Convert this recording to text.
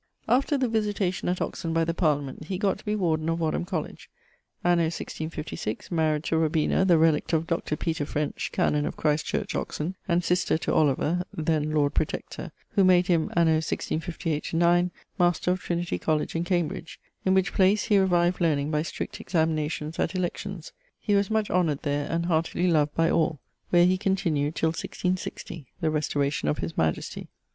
After the Visitation at Oxon by the Parliament, he gott to be Warden of Wadham Colledge. Anno <1656> maried to the relict of Dr. French, canon of Christchurch, Oxon, and sister to Oliver, (then) Lord Protector, who made him anno 165<8/9> Master of Trinity Colledge in Cambridge, (in which place he revived learning by strickt examinations at elections: he was much honoured there, and heartily loved by all;) where he continued till 1660, (the restauration of his majestie).